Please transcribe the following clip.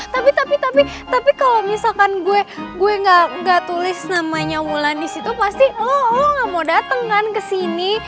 tapi tapi tapi tapi kalau misalkan gue gue gak gak tulis namanya ulan disitu pasti lo lo gak mau dateng kan kesini